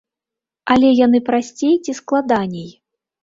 Але яны прасцей ці складаней?